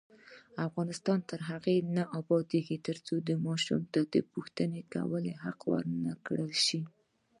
افغانستان تر هغو نه ابادیږي، ترڅو ماشوم ته د پوښتنې کولو حق ورکړل نشي.